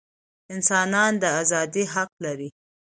انسانان د ازادۍ حق لري.